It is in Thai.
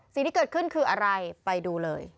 สิ่งที่เกิดขึ้นคืออะไรไปดูเลย